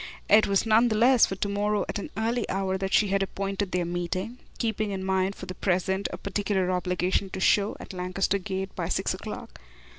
It was none the less for to morrow at an early hour that she had appointed their next meeting, keeping in mind for the present a particular obligation to show at Lancaster Gate by six o'clock.